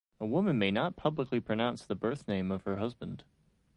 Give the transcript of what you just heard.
A woman may not publicly pronounce the birth name of her husband.